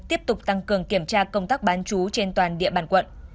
tiếp tục tăng cường kiểm tra công tác bán chú trên toàn địa bàn quận